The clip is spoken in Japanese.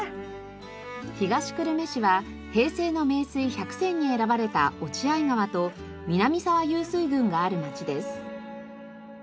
東久留米市は平成の名水百選に選ばれた落合川と南沢湧水群がある町です。